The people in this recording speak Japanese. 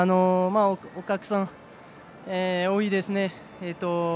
お客さん、多いですね。